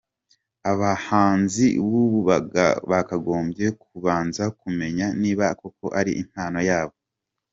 Abahanzi b’ubu bakagombye kubanza kumenya niba koko ari impano yabo.